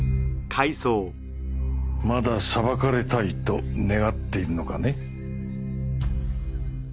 まだ裁かれたいと願っているのかね？